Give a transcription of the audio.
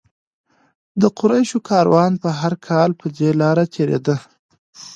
د قریشو کاروان به هر کال پر دې لاره تېرېده.